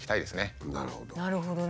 なるほど。